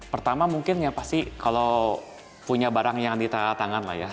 pertama mungkin ya pasti kalau punya barang yang anti tangan lah ya